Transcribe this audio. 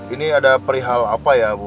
ini ada perihal apa ya bu